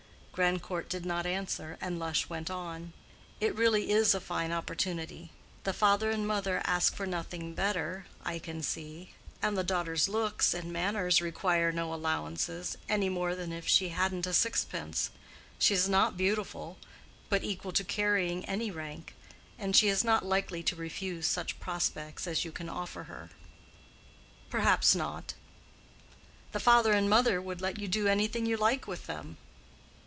Grandcourt did not answer, and Lush went on. "It really is a fine opportunity. The father and mother ask for nothing better, I can see, and the daughter's looks and manners require no allowances, any more than if she hadn't a sixpence. She is not beautiful; but equal to carrying any rank. And she is not likely to refuse such prospects as you can offer her." "Perhaps not." "The father and mother would let you do anything you like with them."